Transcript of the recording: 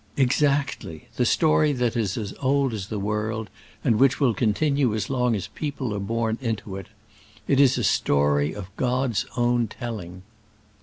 "Exactly; the story that is as old as the world, and which will continue as long as people are born into it. It is a story of God's own telling!"